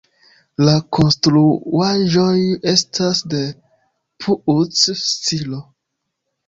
La konstruaĵoj estas de Puuc-stilo.